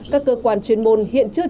các cơ quan chuyên môn hiện chưa cho biết